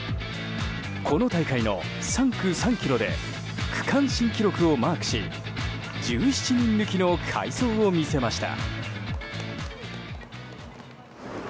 この大会の３区３ｋｍで区間新記録をマークし１７人抜きの快走を見せました。